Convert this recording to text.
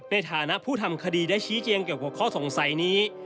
ในฐานะผู้ทำคดีได้ชี้แจงเกี่ยวกับข้อสงสัยนี้